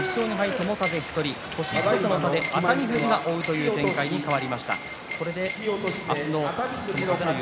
友風１人星１つの差で熱海富士が追う展開となりました。